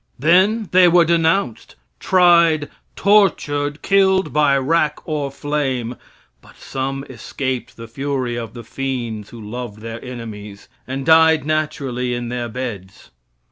Then they were denounced, tried, tortured, killed by rack or flame. But some escaped the fury of the fiends who loved their enemies and died naturally in their beds.